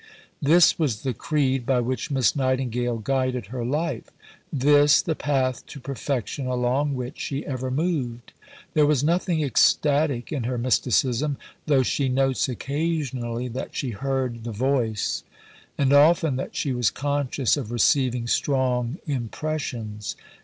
This was the creed by which Miss Nightingale guided her life; this, the path to perfection along which she ever moved. There was nothing ecstatic in her mysticism, though she notes occasionally that she heard "The voice," and often that she was conscious of receiving "strong impressions."